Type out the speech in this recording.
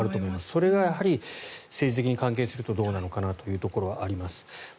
それがやはり政治的に関係するとどうなのかなというところがあります。